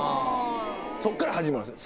そっから始まるんすよ。